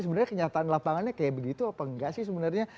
sebenarnya kenyataan lapangannya kayak begitu apa enggak sih sebenarnya